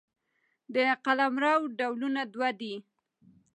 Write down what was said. د قلمرو ډولونه دوه دي.